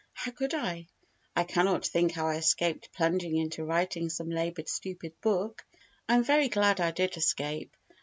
How could I? I cannot think how I escaped plunging into writing some laboured stupid book. I am very glad I did escape.